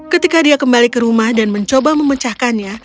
ketika dia kembali ke rumah dan mencoba memecahkannya